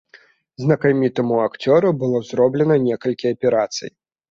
Знакамітаму акцёру было зроблена некалькі аперацый.